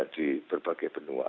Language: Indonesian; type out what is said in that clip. di berbagai benua